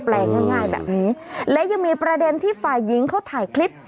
แรงง่ายแบบนี้และยังมีประเด็นที่ฝ่ายหญิงเขาถ่ายคลิป